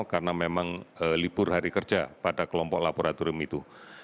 karena memang libur hari kerja pada kelompok laboratorium itu